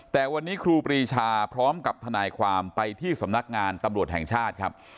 แต่วันนี้ครูปรีชาพร้อมกับทนายความไปที่สำนักงานตำรวจแห่งชาติครับ